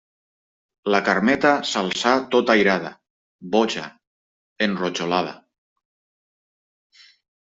La Carmeta s'alçà tota irada, boja, enrojolada.